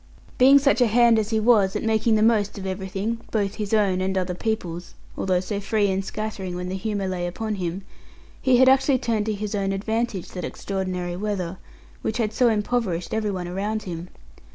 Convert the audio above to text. Being such a hand as he was at making the most of everything, both his own and other people's (although so free in scattering, when the humour lay upon him) he had actually turned to his own advantage that extraordinary weather which had so impoverished every one around him.